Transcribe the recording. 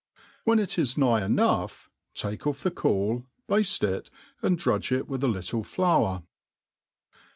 When It is nigh enough, take off the caul, bafte itj airf drudge it with a link flour.